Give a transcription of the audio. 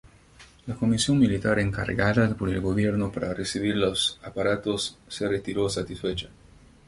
La comisión militar encargada por el gobierno para recibir los aparatos se retiró satisfecha.